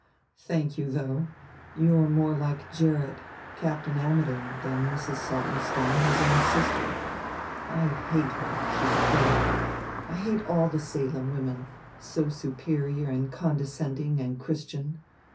"Thank you, though. You are more like Gerrit, Captain Ammidon, than Mrs. Saltonstone, his own sister. I hate her," she declared. "I hate all the Salem women, so superior and condescending and Christian.